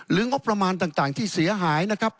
งบประมาณต่างที่เสียหายนะครับ